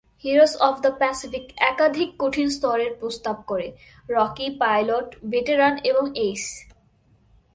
Heroes of the Pacific একাধিক কঠিন স্তরের প্রস্তাব করে: রকি, পাইলট, ভেটেরান, এবং এইস।